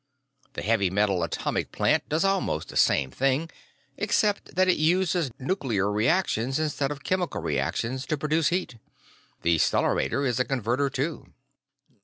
The heavy metal atomic plant does almost the same thing, except that it uses nuclear reactions instead of chemical reactions to produce the heat. The stellarator is a converter, too.